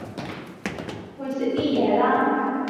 去食啲嘢啦